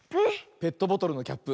ペットボトルのキャップ。